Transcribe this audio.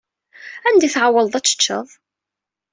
Anda i tɛewwleḍ ad teččeḍ?